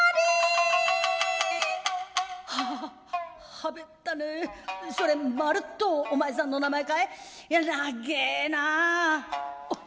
「はべったねぇそれまるっとお前さんの名前かいいや長えなぁあっ